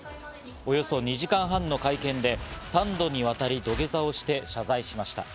およそ２時間半の会見で３度にわたり土下座をして謝罪しました。